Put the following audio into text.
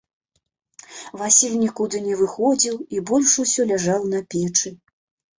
Васіль нікуды не выходзіў і больш усё ляжаў на печы.